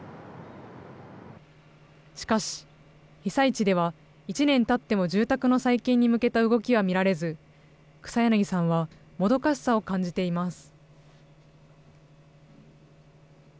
しかし、被災地では１年たっても住宅の再建に向けた動きは見られず、草柳さんはもどかしさを感じています。